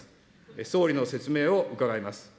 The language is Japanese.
総理の説明を伺います。